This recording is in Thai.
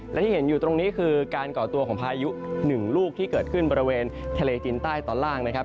และที่เห็นอยู่ตรงนี้คือการก่อตัวของพายุหนึ่งลูกที่เกิดขึ้นบริเวณทะเลจีนใต้ตอนล่างนะครับ